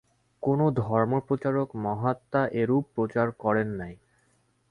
কোন ধর্মপ্রচারক মহাত্মা এরূপ প্রচার করেন নাই।